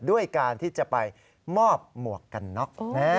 ด้วยการที่จะไปมอบหมวกกันน็อก